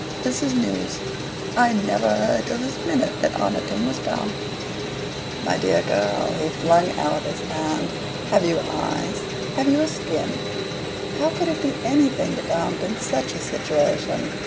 "This is news. I never heard till this minute that Oniton was damp." "My dear girl!" he flung out his hand "have you eyes? have you a skin? How could it be anything but damp in such a situation?